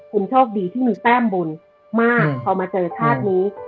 คุณโชคดีที่มีแต้มบุญมากพอมาเจอชาตินี้